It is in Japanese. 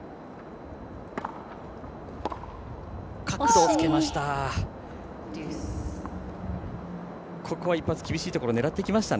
角度をつけました。